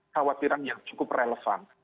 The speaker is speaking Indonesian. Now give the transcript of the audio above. khawatiran yang cukup relevan